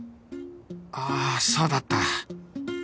ああそうだった